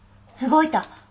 動いた。